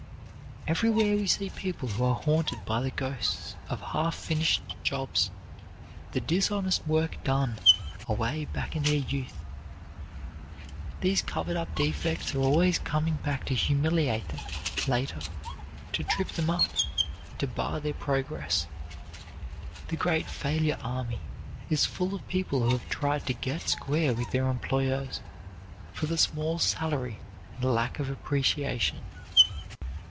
Everywhere we see people who are haunted by the ghosts of half finished jobs, the dishonest work done away back in their youth. These covered up defects are always coming back to humiliate them later, to trip them up, and to bar their progress. The great failure army is full of people who have tried to get square with their employers for the small salary and lack of appreciation.